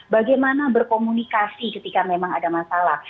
bagaimana berkomunikasi ketika memang ada masalah